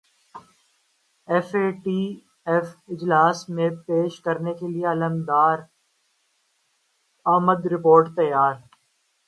F A T F اجلاس میں پیش کرنے کیلئے عملدرامد رپورٹ تیار